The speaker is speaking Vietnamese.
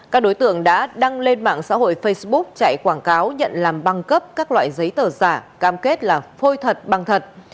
các đối tượng đã đăng lên mạng xã hội facebook chạy quảng cáo nhận làm băng cấp các loại giấy tờ giả cam kết là phôi thật băng thật